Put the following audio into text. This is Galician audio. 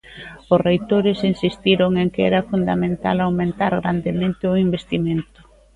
Os reitores insistiron en que era fundamental aumentar grandemente o investimento.